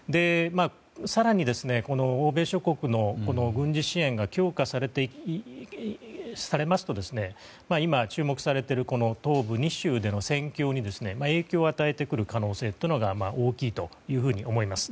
更に、欧米諸国の軍事支援が強化されますと今、注目されている東部２州での戦況に影響を与えてくる可能性が大きいと思います。